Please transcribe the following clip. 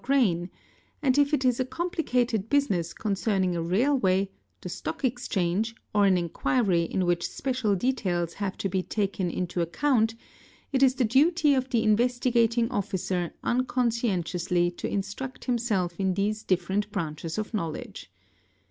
grain; and if it is a complicated business concerning a railway, the stock 'exchange, or an inquiry in which special details have to be taken into account, it is the duty of the Investigating Officer conscientiously to 'instruct himself in these different branches of knowledge.